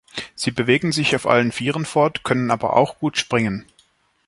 Sie bewegen sich auf allen vieren fort, können aber auch gut springen.